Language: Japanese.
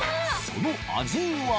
その味は？